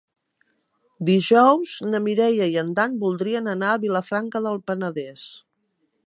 Dijous na Mireia i en Dan voldrien anar a Vilafranca del Penedès.